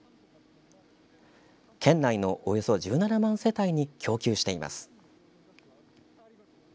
県内のおよそ１７万世帯に供給しています。